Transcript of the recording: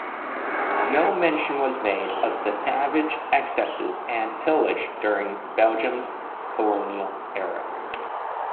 No mention was made of the savage excesses and pillage during Belgium's colonial era.